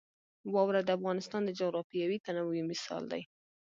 واوره د افغانستان د جغرافیوي تنوع یو مثال دی.